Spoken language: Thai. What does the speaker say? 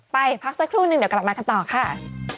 พักสักครู่นึงเดี๋ยวกลับมากันต่อค่ะ